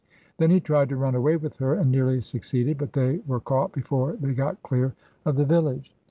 Then he tried to run away with her, and nearly succeeded, but they were caught before they got clear of the village.